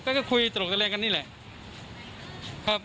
ก็คุยตลกทะเลกันนี่แหละ